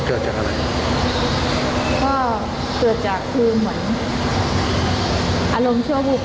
ก็เกิดจากคือเหมือนอารมณ์เชื่อวูกเขาแหละมั้ง